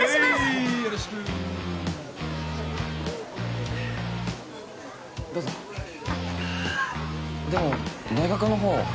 はいよろしくどうぞあっでも大学の方は？